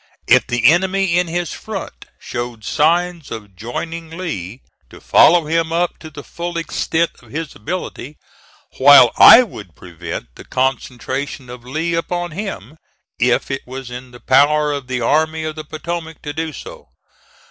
If the enemy in his front showed signs of joining Lee, to follow him up to the full extent of his ability, while I would prevent the concentration of Lee upon him, if it was in the power of the Army of the Potomac to do so.